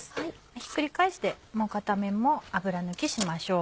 ひっくり返してもう片面も油抜きしましょう。